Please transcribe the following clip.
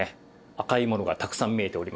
赤いものがたくさん見えておりますから。